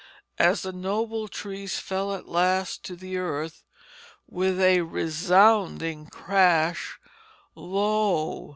As the noble trees fell at last to the earth with a resounding crash, lo!